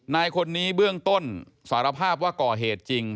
นายคนนี้เบื้องต้นสารภาพว่าก่อเหตุจริง